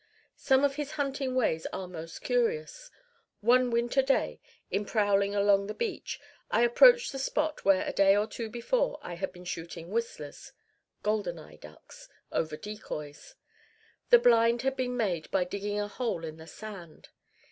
Some of his hunting ways are most curious. One winter day, in prowling along the beach, I approached the spot where a day or two before I had been shooting whistlers (golden eye ducks) over decoys. The blind had been made by digging a hole in the sand.